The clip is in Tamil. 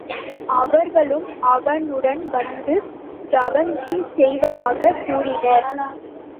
அவர்களும் அவனுடன் வந்து தவஞ் செய்வதாகக் கூறினர்.